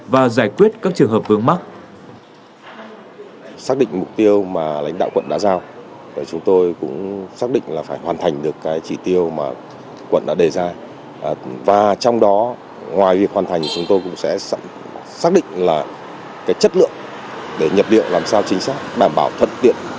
và giải quyết các trường hợp vướng mắc